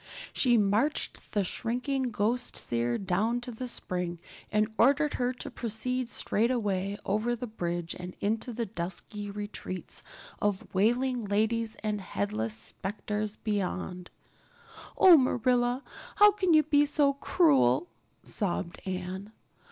She marched the shrinking ghost seer down to the spring and ordered her to proceed straightaway over the bridge and into the dusky retreats of wailing ladies and headless specters beyond. "Oh, Marilla, how can you be so cruel?" sobbed Anne.